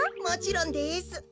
もちろんです。